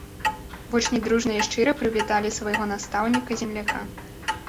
Вучні дружна і шчыра прывіталі свайго настаўніка-земляка.